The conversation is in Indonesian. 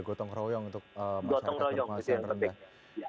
gotong royong untuk masyarakat berpenghasilan rendah